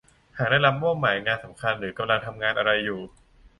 หากได้รับมอบหมายงานสำคัญ หรือกำลังทำงานอะไรอยู่